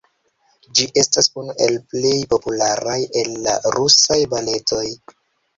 Ĝi estas unu el plej popularaj el la Rusaj Baletoj.